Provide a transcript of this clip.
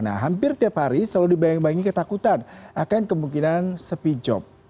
nah hampir tiap hari selalu dibayang bayangin ketakutan akan kemungkinan sepi job